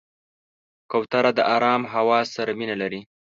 کوتره د آرام هوا سره مینه لري.